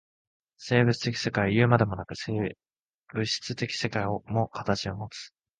生物的世界はいうまでもなく、物質的世界も形をもつ。